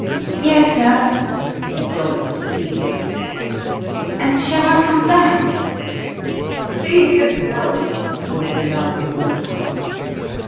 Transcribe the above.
"Yes, sir," said Dollops, obediently, "and shall I come back?" "Please yourself," was the laughing reply.